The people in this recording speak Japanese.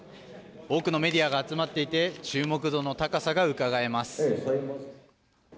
多くのメディアが集まっていて注目度の高さがうかがえます。